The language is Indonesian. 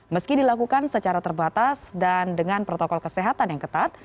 meski dilakukan secara terbatas dan dengan protokol kesehatan yang ketat